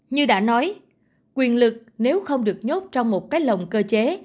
như đã nói quyền lực nếu không được nhốt trong một cái lồng cơ chế